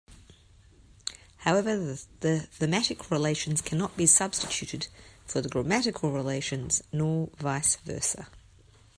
However, the thematic relations cannot be substituted for the grammatical relations, nor vice versa.